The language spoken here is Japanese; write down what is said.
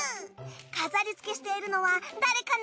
飾りつけしているのは誰かな？